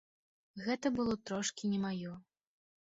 Гэта было трошкі не маё.